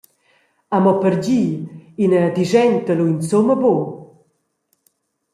E mo per dir, ina dischenta lu insumma buc.